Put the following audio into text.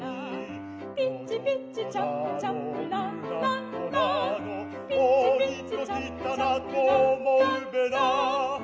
「ピッチピッチチャップチャップランランラン」「おにっこきたなとおもうべな」